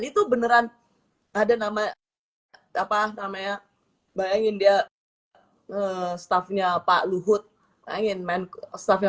itu beneran ada nama apa namanya bayangin dia stafnya pak luhut pengen men start